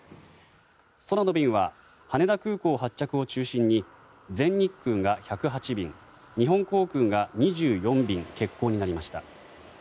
空の便は羽田空港発着を中心に全日空が１０８便日本航空が２４便欠航になりました。